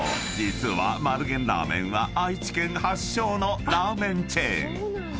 実は丸源ラーメンは愛知県発祥のラーメンチェーン］